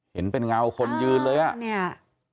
เห็นเป็นเงาคนยืนเลยอะ